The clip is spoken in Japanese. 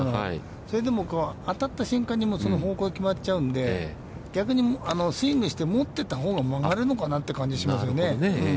それでも、当たった瞬間にその方向が決まっちゃうので、逆にスイングして持っていったほうが曲がるのかなという感じがしますよね。